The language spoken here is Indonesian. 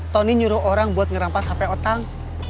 tony nyuruh orang buat ngerampas hp otang